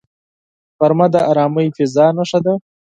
غرمه د آرامې فضاء نښه ده